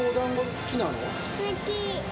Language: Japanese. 好き。